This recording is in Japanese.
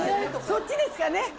そっちですかね